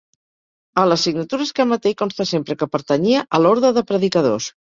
A les signatures que emeté hi consta sempre que pertanyia a l'Orde de Predicadors.